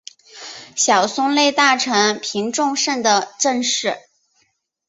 小松内大臣平重盛的正室。